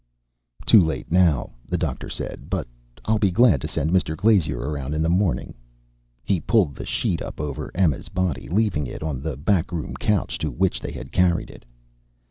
"Too late now," the doctor said. "But I'll be glad to send Mr. Glazier around in the morning." He pulled the sheet up over Emma's body, leaving it on the backroom couch to which they had carried it.